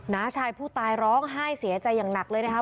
้าชายผู้ตายร้องไห้เสียใจอย่างหนักเลยนะครับ